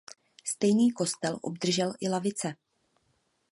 Stejný kostel obdržel i lavice.